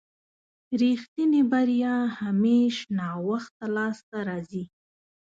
رښتينې بريا همېش ناوخته لاسته راځي.